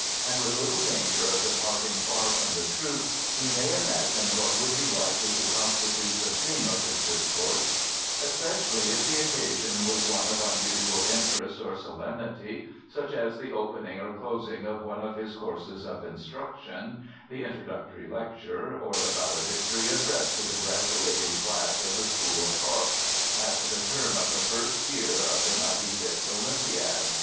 And with little danger of departing far from the truth, we may imagine what would be likely to constitute the theme of his discourse, especially if the occasion was one of unusual interest or solemnity, such as the opening or closing of one of his courses of instruction — the Introductory Lecture — or the Valedictory Address to the graduating class of the school of Cos, at the term of the first year of the ninety fifth Olympiad.